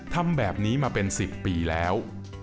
ทำแบบนี้มาเป็น๑๐ปีแล้ว